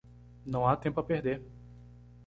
Não há tempo a perder